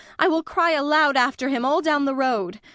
I will cry aloud after him all down the road.